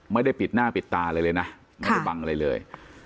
ไม่ได้ปิดหน้าปิดตาอะไรเลยนะไม่ได้บังอะไรเลย